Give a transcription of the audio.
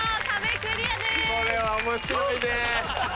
これは面白いね。